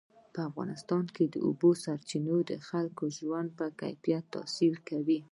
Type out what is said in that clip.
په افغانستان کې د اوبو سرچینې د خلکو د ژوند په کیفیت تاثیر کوي.